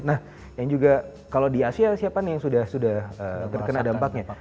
nah yang juga kalau di asia siapa nih yang sudah terkena dampaknya